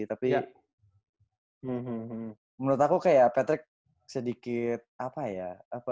tapi menurut aku kayak patrick sedikit apa ya